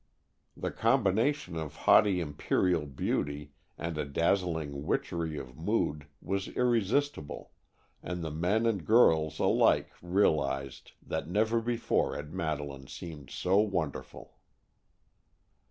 The combination of haughty imperial beauty and a dazzling witchery of mood was irresistible, and the men and girls alike realized that never before had Madeleine seemed so wonderful.